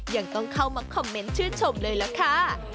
ยังต้องเข้ามาคอมเมนต์ชื่นชมเลยล่ะค่ะ